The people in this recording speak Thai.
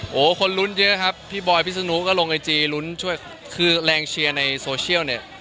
โอ้โหคนลุ้นเยอะครับพี่บอยพิศนุก็ลงไอจีลุ้นช่วยคือแรงเชียร์ในโซเชียลเนี่ย